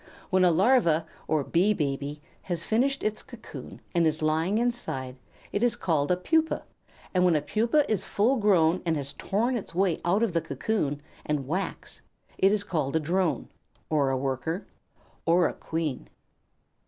When a Larva, or Bee baby, has finished its cocoon, and is lying inside, it is called a Pupa, and when a Pupa is full grown and has torn its way out of the cocoon and wax, it is called a Drone, or a Worker, or a Queen.